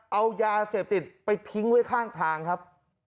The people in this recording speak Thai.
เอายาเสพติดไปทิ้งไว้ข้างทางครับ